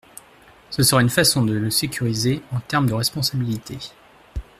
Cela serait une façon de le sécuriser en termes de responsabilité.